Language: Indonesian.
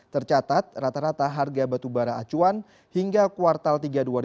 tercatat rata rata harga batubara acuan hingga kuartal tiga dua ribu dua puluh